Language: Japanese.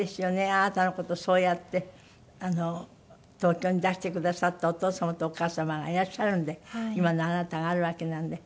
あなたの事をそうやって東京に出してくださったお父様とお母様がいらっしゃるんで今のあなたがあるわけなんで。